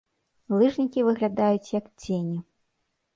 Лыжнікі выглядаюць як цені.